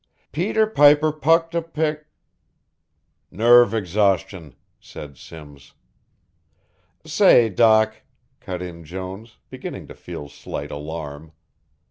"'Peter Piper pucked a pick'" "Nerve exhaustion," said Simms. "Say, Doc," cut in Jones, beginning to feel slight alarm.